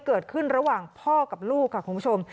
เกิดขึ้นระหว่างพ่อกับลูกค่ะคุณผู้ชม